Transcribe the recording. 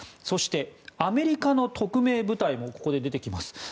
そして、アメリカの特命部隊もここで出てきます。